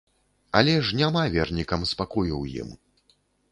Але ж няма вернікам спакою ў ім.